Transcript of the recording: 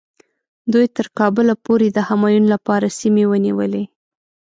دوی تر کابله پورې د همایون لپاره سیمې ونیولې.